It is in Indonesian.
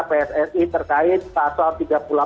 pssi terkait pasal